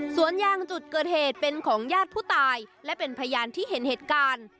สวนยางจุดเกิดเหตุเป็นของญาติผู้ตายและเป็นพยานที่เห็นเหตุการณ์